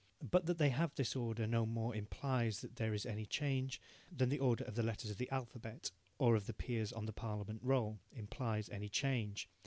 But that they have this order no more implies that there is any change than the order of the letters of the alphabet, or of the Peers on the Parliament Roll, implies any change.